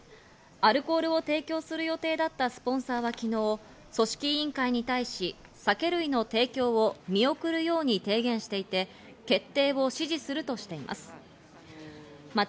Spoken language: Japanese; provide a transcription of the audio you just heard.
アルコールを提供する予定だったスポンサーは昨日、組織委員会に対し、酒類の提供を見送るように提言していて決定を支持するとしています。